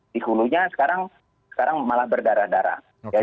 di hulunya sekarang malah berdarah darah